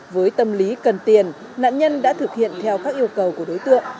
với tâm lý cần tiền nạn nhân đã thực hiện theo các yêu cầu của đối tượng